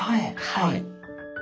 はい。